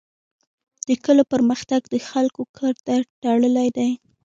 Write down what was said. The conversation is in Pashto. د کلو پرمختګ د خلکو کار ته تړلی دی.